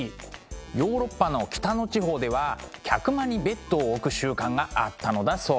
ヨーロッパの北の地方では客間にベッドを置く習慣があったのだそう。